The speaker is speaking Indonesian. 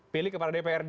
pilih kepada dprd